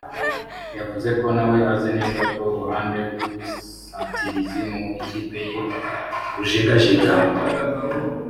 yavuze ko nawe azi neza ko uruhande rw’ubusatirizi mu ikipe ye rujegajega